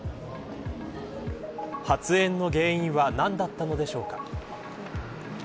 発煙の原因は何だったのでしょうか。